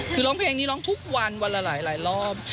คือร้องเพลงนี้ร้องทุกวันวันละหลายรอบ